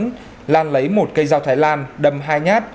lúc đó lan lấy một cây rau thái lan đâm hai nhát